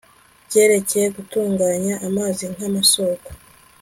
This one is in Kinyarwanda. byerekeye gutunganya amazi nk amasoko